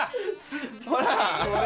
ほら！